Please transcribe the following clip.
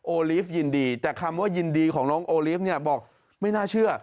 โอลิฟต์ยินดีแต่คำว่ายินดีของน้องโอลิฟต์บอกไม่น่าเชื่อ